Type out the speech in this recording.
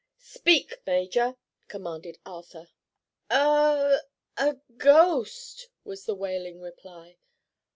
"Speak, Major!" commanded Arthur. "A—a ghost!" was the wailing reply.